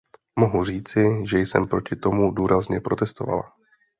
Mohu říci, že jsem proti tomu důrazně protestovala!